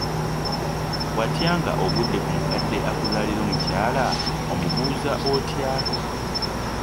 Watya nga ogudde ku mukadde akuzaalira omukyala, omubuuza otya?